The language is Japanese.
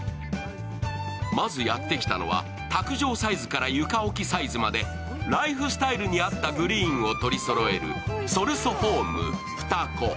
まず、やってきたのは卓上サイズから床置きサイズまでライフスタイルに合ったグリーンを取りそろえる